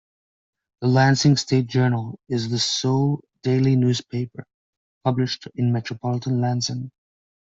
The "Lansing State Journal" is the sole daily newspaper published in metropolitan Lansing.